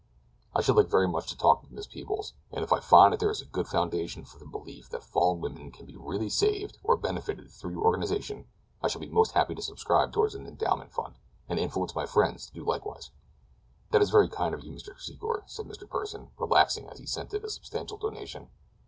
"I should like very much to talk with Miss Peebles, and if I find that there is good foundation for the belief that fallen women can be really saved or benefited through your organization, I shall be most happy to subscribe toward an endowment fund, and influence my friends to do likewise." "That is very kind of you, Mr. Secor," said Mr. Pursen, relaxing as he scented a substantial donation.